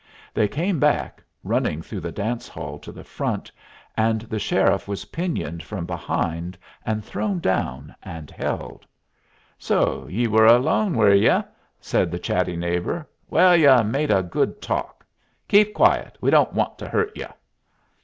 They came back, running through the dance hall to the front, and the sheriff was pinioned from behind, thrown down, and held. "So ye were alone, were ye?" said the chatty neighbor. "Well, ye made a good talk. Keep quiet we don't want to hurt ye."